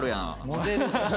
モデル。